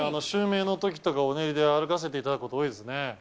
襲名のときとか、お練りで歩かせていただくこと多いですね。